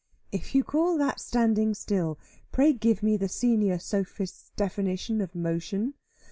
"If you call that standing still, pray give me the senior sophist's definition of motion."